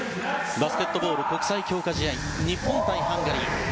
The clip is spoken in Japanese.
バスケットボール国際強化試合日本対ハンガリー。